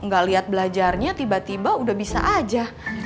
gak lihat belajarnya tiba tiba udah bisa aja